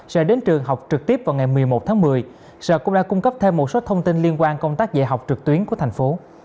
sẽ đến trường học trực tiếp vào ngày một mươi một tháng một mươi sở cũng đã cung cấp thêm một số thông tin liên quan công tác dạy học trực tuyến của thành phố